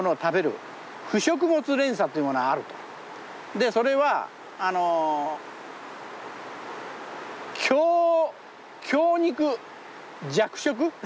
でそれは強肉弱食？